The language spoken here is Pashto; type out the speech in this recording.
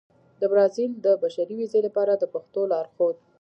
د برازيل د بشري ویزې لپاره د پښتو لارښود